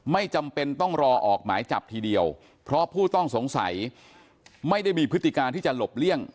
ไม่จำเป็นต้องรอออกหมายจับทีเดียวเพราะผู้ต้องสงสัยไม่ได้มีพฤติการที่จะหลบเลี่ยง